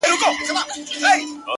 زما دردونه د دردونو ښوونځی غواړي-